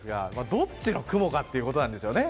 どっちの雲がということなんですよね。